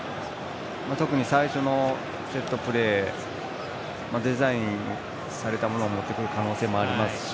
特に最初のセットプレーデザインされたものを持ってくる可能性はありますし。